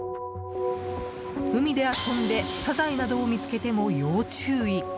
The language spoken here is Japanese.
海で遊んでサザエなどを見つけても要注意。